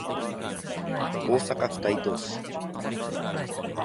大阪府大東市